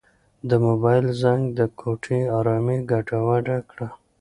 د موبایل زنګ د کوټې ارامي ګډوډه کړه.